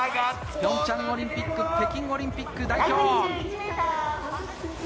ピョンチャンオリンピック、北京オリンピック代表。